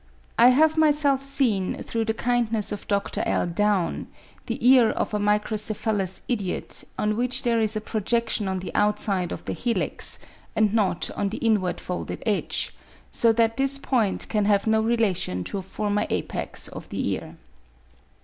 I have myself seen, through the kindness of Dr. L. Down, the ear of a microcephalous idiot, on which there is a projection on the outside of the helix, and not on the inward folded edge, so that this point can have no relation to a former apex of the ear.